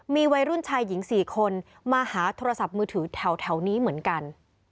มีวัยรุ่นชายหญิง๔คนมาหาโทรศัพท์มือถือแถวนี้เหมือนกัน